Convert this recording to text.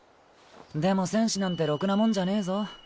でも戦士なんてろくなもんじゃねえぞ。